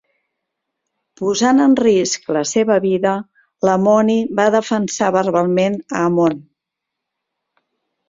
Posant en risc la seva vida, Lamoni va defensar verbalment a Ammon.